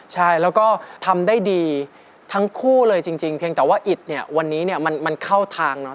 ใช่แล้วก็ทำได้ดีทั้งคู่เลยจริงเพียงแต่ว่าอิดเนี่ยวันนี้เนี่ยมันเข้าทางเนาะ